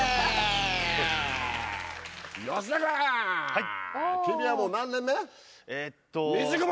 はい。